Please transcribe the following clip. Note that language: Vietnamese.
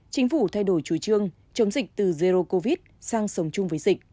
chính phủ thay đổi chủ trương chống dịch từ zero covid sang sống chung với dịch